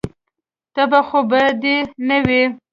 تبه خو به دې نه وه.